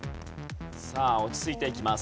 さあ落ち着いていきます。